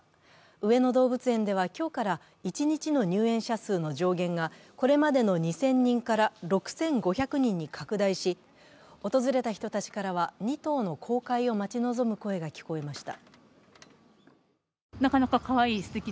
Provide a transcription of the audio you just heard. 上野動物園では今日から一日の入園者数の上限がこれまでの２０００人から６５００人に拡大し、訪れた人たちからは２頭の公開を待ち望む声が聞かれました。